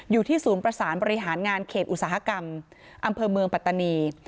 อยู่ที่ศูนย์ประสานบริหารงานเขตอุตสาหกรรมอำเภอเมืองปัตตานี